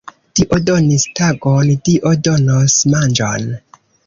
Dio donis tagon, Dio donos manĝon.